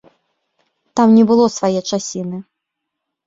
Там не было свае часіны.